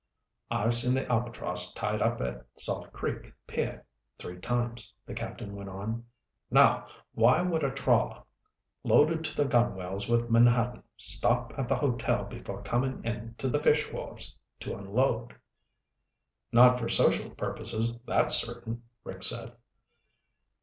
"I've seen the Albatross tied up at Salt Creek pier three times," the captain went on. "Now! Why would a trawler, loaded to the gunwales with menhaden, stop at the hotel before coming in to the fish wharves to unload?" "Not for social purposes, that's certain," Rick said.